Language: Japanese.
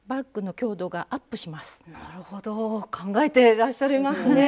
なるほど考えていらっしゃいますね。